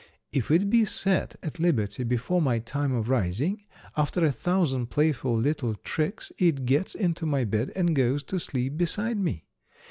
If it be set at liberty before my time of rising, after a thousand playful little tricks, it gets into my bed and goes to sleep beside me.